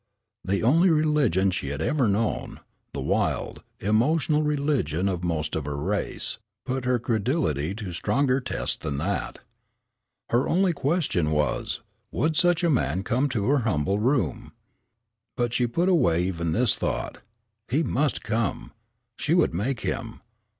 The only religion she had ever known, the wild, emotional religion of most of her race, put her credulity to stronger tests than that. Her only question was, would such a man come to her humble room. But she put away even this thought. He must come. She would make him.